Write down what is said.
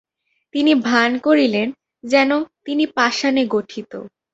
তিনি ভান করিলেন যেন তিনি পাষাণে গঠিত!